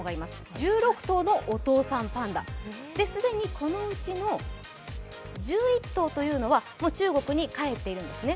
１６頭のお父さんパンダで、既にこのうちの１１頭というのはもう中国に帰っているんですね。